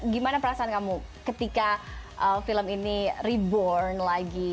gimana perasaan kamu ketika film ini reborn lagi